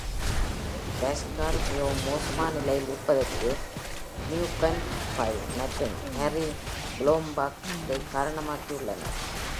Lasker மிகவும் மோசமான நிலையில் இருப்பதற்கு Reuben Fine மற்றும் Harry Golombek இதைக் காரணமாக்கியுள்ளனர்.